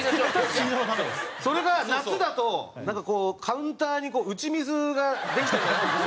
それが夏だとなんかこうカウンターに打ち水ができたみたいに。